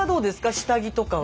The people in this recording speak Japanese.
下着とかは？